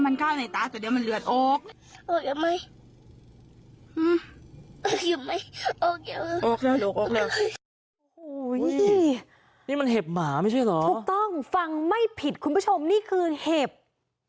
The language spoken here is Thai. นี้อะไรหรือยังลุดมาเลยอีกตัวเดี๋ยวมันค่าวในตาต่อเดียวมันเลือดโอก